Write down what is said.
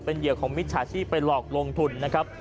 เหยื่อของมิจฉาชีพไปหลอกลงทุนนะครับ